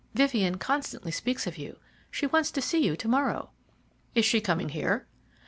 Vivien constantly speaks of you. She wants to see you to morrow." "Is she coming here?"